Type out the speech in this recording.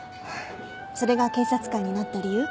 それが警察官になった理由？